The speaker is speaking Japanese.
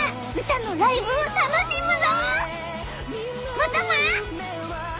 またな。